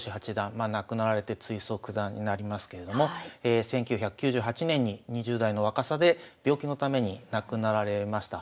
まあ亡くなられて追贈九段になりますけれども１９９８年に２０代の若さで病気のために亡くなられました。